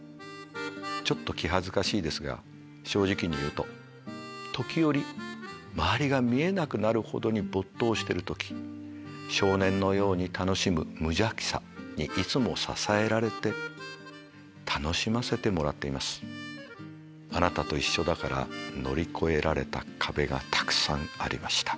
ちょっと気恥ずかしいですが正直に言うと時折周りが見えなくなるほどに没頭してる時少年のように楽しむ無邪気さにいつも支えられて楽しませてもらっています。あなたと一緒だから乗り越えられた壁がたくさんありました。